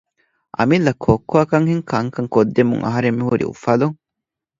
އަމިއްލަ ކޮއްކޮއަކަށްހެން ކަންކަން ކޮށްދެމުން އަހަރެން މިހުރީ އުފަލުން